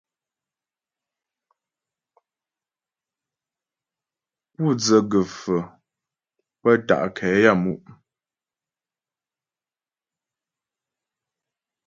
Pú dzə gə̀faə̀ pə́ ta' nkɛ yaə́mu'.